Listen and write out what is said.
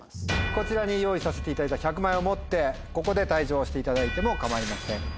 こちらに用意させていただいた１００万円を持ってここで退場していただいても構いません。